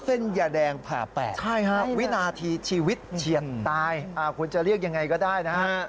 เส้นยาแดงผ่าแปดวินาทีชีวิตเฉียดตายคุณจะเรียกยังไงก็ได้นะฮะ